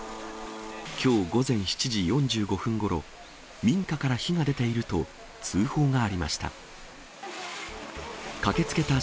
きょう午前７時４５分ごろ、民家から火が出ていると、通報がありました。